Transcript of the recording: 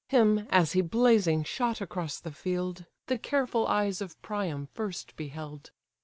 Him, as he blazing shot across the field, The careful eyes of Priam first beheld.